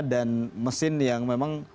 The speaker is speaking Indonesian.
dan mesin yang memang